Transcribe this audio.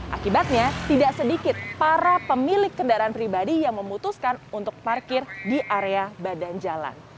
akibatnya tidak sedikit para pemilik kendaraan pribadi yang memutuskan untuk parkir di area badan jalan